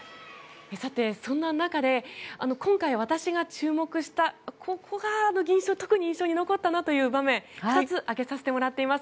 そんな中で、今回私が注目したここが特に印象に残ったなという場面２つ挙げさせてもらっています。